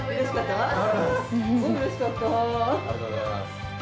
ありがとうございます。